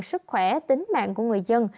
sức khỏe tính mạng của người dân